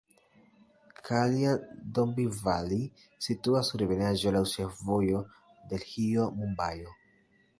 Kaljan-Dombivali situas sur ebenaĵo laŭ ĉefvojo Delhio-Mumbajo.